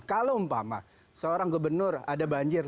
kalau umpama seorang gubernur ada banjir